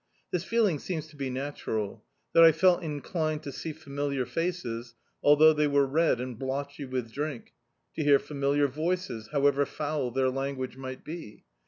This feeling seems to be natural ; that I felt inclined to see familiar faces, although they were red and blotchy with drink; to hear familiar voices, however foul their language might be.